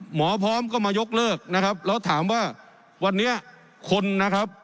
หมอพร้อมก็มายกเลิกนะครับแล้วถามว่าวันนี้คนนะครับ